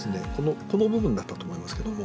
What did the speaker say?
この部分だったと思いますけども。